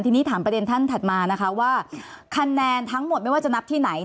ทีนี้ถามประเด็นท่านถัดมานะคะว่าคะแนนทั้งหมดไม่ว่าจะนับที่ไหน